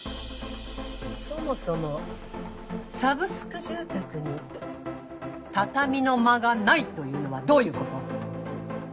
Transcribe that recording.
そもそもサブスク住宅に畳の間がないというのはどういうこと？